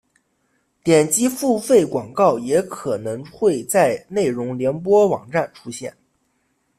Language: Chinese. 点击付费广告也可能会在内容联播网站出现。